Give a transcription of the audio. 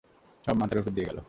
সব মাথার উপর দিয়ে গেল।